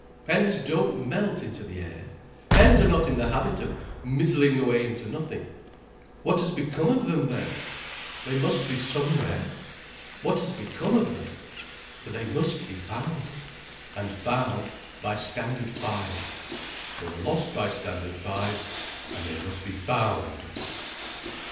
Pens don't melt into the air: pens are not in the habit of mizzling away into nothing. What has become of them then? They must be somewhere. What has become of them? For they must be found, and found by Standard Five. They were lost by Standard Five, and they must be found."